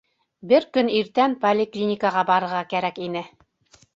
Бер көн иртән поликлиникаға барырға кәрәк ине.